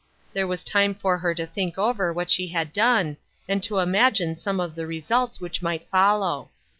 There was time for her to think over what she had done, and to imagine some of the results which AT HOME. 325 might follow.